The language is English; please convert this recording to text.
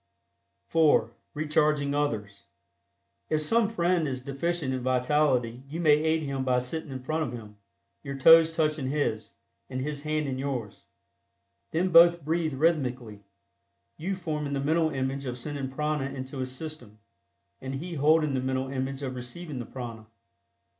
(4) RECHARGING OTHERS. If some friend is deficient in vitality you may aid him by sitting in front of him, your toes touching his, and his hands in yours. Then both breathe rhythmically, you forming the mental image of sending prana into his system, and he holding the mental image of receiving the prana.